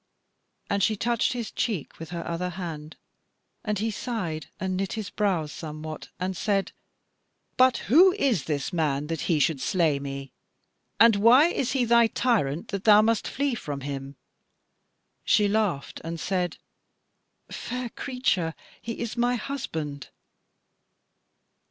And she touched his cheek with her other hand; and he sighed and knit his brows somewhat, and said: "But who is this man that he should slay me? And why is he thy tyrant, that thou must flee from him?" She laughed and said: "Fair creature, he is my husband."